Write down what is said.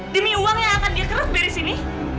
demi uang yang akan dia kerah beri sini